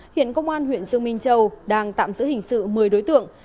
hiện công an huyện dương minh châu đang tạm giữ hình sự một mươi đối tượng